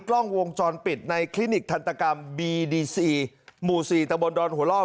กล้องวงจรปิดในคลินิกทันตกรรมบีดีซีหมู่๔ตะบนดอนหัวล่อ